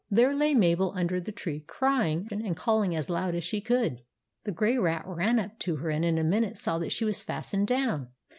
There lay Mabel under the tree, crying and calling as loud as she could. The Grey Rat ran up to her, and in a minute saw that she was fastened down.